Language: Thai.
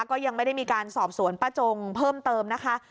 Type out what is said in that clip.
ก็ยังไม่ได้มีการสอบสวนป้าจงเพิ่มเติมนะคะ